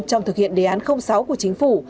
trong thực hiện đề án sáu của chính phủ